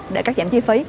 để các giảm chi phí